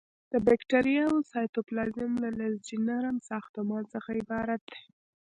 د باکتریاوو سایتوپلازم له لزجي نرم ساختمان څخه عبارت دی.